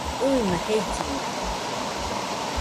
ɨɨma jellina